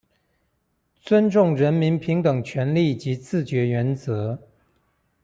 尊重人民平等權利及自決原則